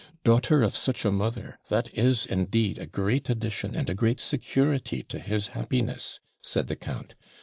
'Daughter of such a mother! That is indeed a great addition and a great security to his happiness,' said the count.